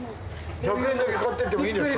１００円だけ買ってってもいいんですか？